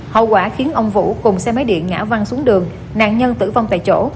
hậu quả khiến ông vũ cùng xe máy điện ngã văng xuống đường nạn nhân tử vong tại chỗ